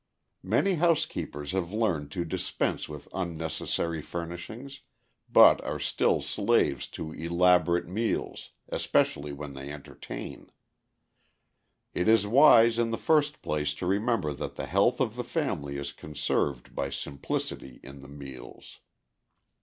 "Many housekeepers have learned to dispense with unnecessary furnishings, but are still slaves to elaborate meals, especially when they entertain. "It is wise, in the first place, to remember that the health of the family is conserved by simplicity in the meals.